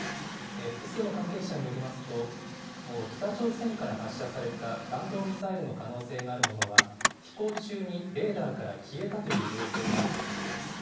複数の関係者によりますと、北朝鮮から発射された弾道ミサイルの可能性があるものは、飛行中にレーダーから消えたという情報があるということです。